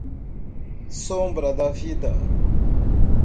Sombra da vida